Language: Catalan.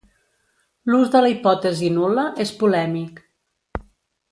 L'ús de la hipòtesi nul·la és polèmic.